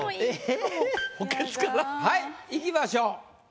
はいいきましょう。